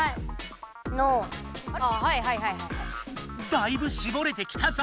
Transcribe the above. だいぶしぼれてきたぞ！